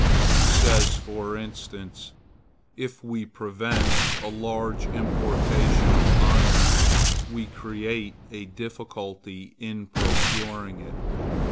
He says, for instance: If we prevent a large importation of iron, we create a difficulty in procuring it.